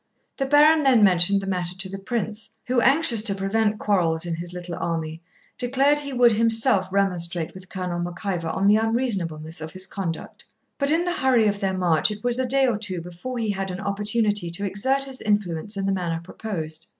The Baron then mentioned the matter to the Prince, who, anxious to prevent quarrels in his little army, declared he would himself remonstrate with Colonel Mac Ivor on the unreasonableness of his conduct. But, in the hurry of their march, it was a day or two before he had an opportunity to exert his influence in the manner proposed.